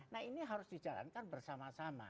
nah ini harus dijalankan bersama sama